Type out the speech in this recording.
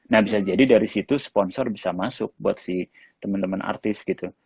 nah bisa jadi dari situ sponsor bisa masuk buat si teman teman artis gitu